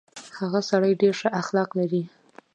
هغه سړی ډېر شه اخلاق لري.